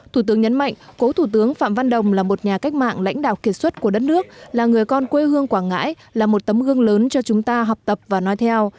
thủ tướng nhấn mạnh cố thủ tướng phạm văn đồng là một nhà cách mạng lãnh đạo kiệt xuất của đất nước là người con quê hương quảng ngãi là một tấm gương lớn cho chúng ta học tập và nói theo